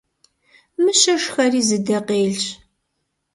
Мыщэ шхэри зы дэ къелщ.